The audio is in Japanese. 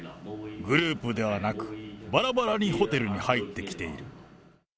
グループではなく、ばらばらにホテルに入ってきている。